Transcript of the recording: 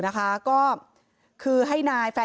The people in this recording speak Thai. หมาก็เห่าตลอดคืนเลยเหมือนมีผีจริง